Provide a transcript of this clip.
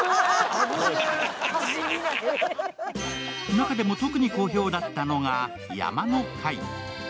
中でも特に好評だったのが山の会。